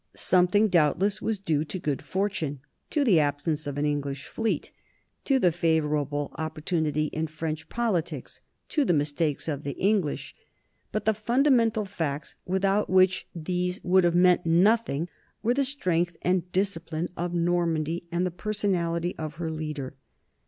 Something doubtless was due to good fortune, to the absence of an English fleet, to the favorable opportunity in French politics, to the mistakes of the English. But the funda mental facts, without which these would have meant nothing, were the strength and discipline of Normandy and the personality of her leader.